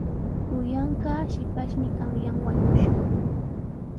Kuyanqaa shipashmi qanyan wañushqa.